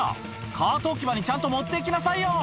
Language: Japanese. カート置き場にちゃんと持って行きなさいよ